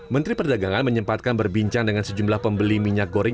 menteri perdagangan menyempatkan berbincang dengan sejumlah pembeli minyak goreng